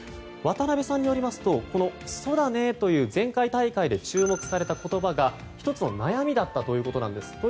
渡辺さんによりますとそだねーという前回大会で注目された言葉が１つの悩みだったということなんです。